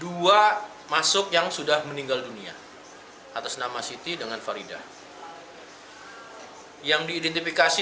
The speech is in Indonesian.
dua masuk yang sudah meninggal dunia atas nama siti dengan farida yang diidentifikasi